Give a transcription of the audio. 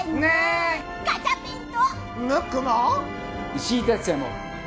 石井竜也も。